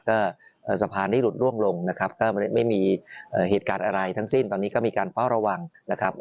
ก็สะพานนี้หลุดร่วงลงนะครับก็ไม่มีเหตุการณ์อะไรทั้งสิ้นตอนนี้ก็มีการเฝ้าระวังนะครับ